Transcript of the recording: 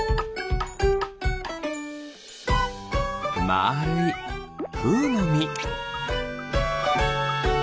まるいフウのみ。